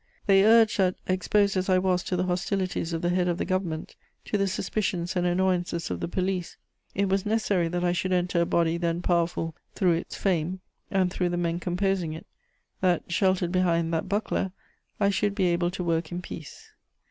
They urged that, exposed as I was to the hostilities of the head of the Government, to the suspicions and annoyances of the police, it was necessary that I should enter a body then powerful through its fame and through the men composing it; that, sheltered behind that buckler, I should be able to work in peace.